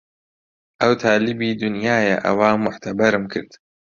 ئەو تالیبی دونیایە ئەوا موعتەبەرم کرد